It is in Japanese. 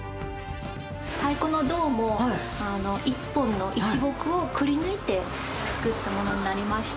太鼓の胴も一本の、一木を切り抜いて作ったものになりまして。